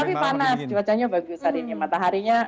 tapi panas cuacanya bagus hari ini mataharinya